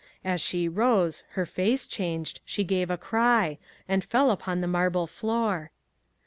As she rose, her face changed, she gave a cry, and fell upon the marble floor.